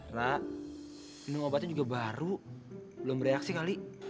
ra minum obatnya juga baru belum bereaksi kali